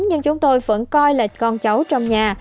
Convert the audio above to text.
nhưng chúng tôi vẫn coi là con cháu trong nhà